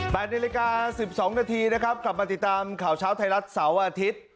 นาฬิกาสิบสองนาทีนะครับกลับมาติดตามข่าวเช้าไทยรัฐเสาร์อาทิตย์